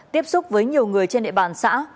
tiếp xúc với nhiều người trên địa bàn xã